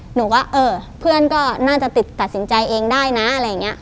หนูก็เออเพื่อนก็น่าจะติดตัดสินใจเองได้นะอะไรอย่างนี้